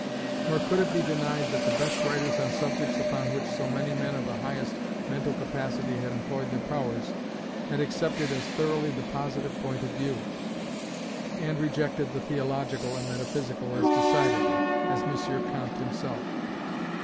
Nor could it be denied that the best writers on subjects upon which so many men of the highest mental capacity had employed their powers, had accepted as thoroughly the positive point of view, and rejected the theological and metaphysical as decidedly, as M. Comte himself.